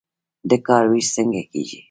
د کار ویش څنګه کیږي؟